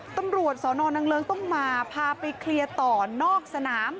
ตำรวจสอนอนนางเลิ้งต้องมาพาไปเคลียร์ต่อนอกสนาม